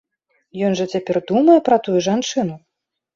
Ён жа цяпер думае пра тую жанчыну!